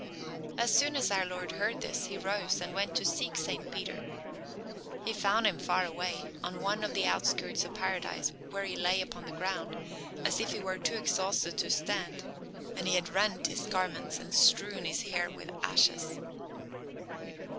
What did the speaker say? As soon as our Lord heard this, He rose and went to seek Saint Peter. He found him far away, on one of the outskirts of Paradise, where he lay upon the ground, as if he were too exhausted to stand, and he had rent his garments and strewn his hair with ashes.